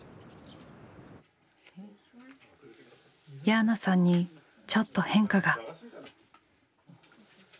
ヤーナさんにちょっと変化が。